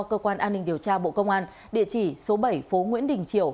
cơ quan an ninh điều tra bộ công an địa chỉ số bảy phố nguyễn đình triều